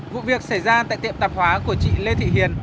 vụ việc xảy ra tại tiệm tạp hóa của chị lê thị hiền